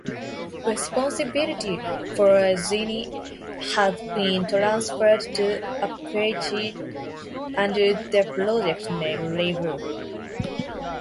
Responsibility for Jini has been transferred to Apache under the project name "River".